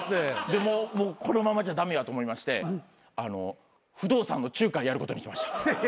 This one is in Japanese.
でもうこのままじゃ駄目やと思いまして不動産の仲介やることにしました。